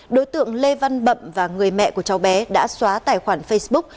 đối tượng lê văn bậm và người mẹ của cháu bé đã xóa tài khoản facebook